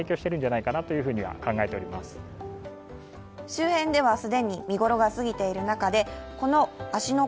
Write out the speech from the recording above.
周辺では既に見頃が過ぎている中でこの芦ノ